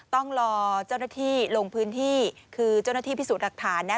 ต้องรอเจ้าหน้าที่ลงพื้นที่คือเจ้าหน้าที่พิสูจน์หลักฐานนะ